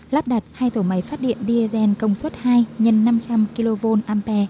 lắp đặt hai tổ máy phát điện d agen công suất hai x năm trăm linh kva